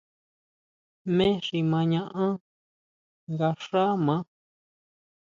¿Jmé xi ma ñaʼán nga xá maá.